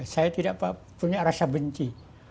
saya tidak punya rasa benci